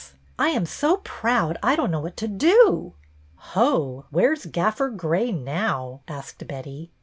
I am so proud I don't know what to do." "Ho, where's Gaffer Grey now.?" asked Betty.